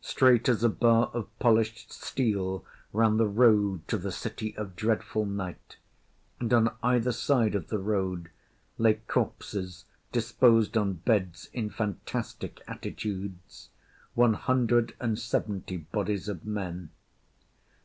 Straight as a bar of polished steel ran the road to the City of Dreadful Night; and on either side of the road lay corpses disposed on beds in fantastic attitudes one hundred and seventy bodies of men.